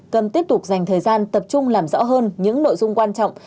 cần tiếp tục dành thời gian tập trung làm rõ hơn những nội dung quan trọng